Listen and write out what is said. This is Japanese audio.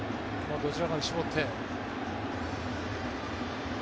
どちらかに絞って。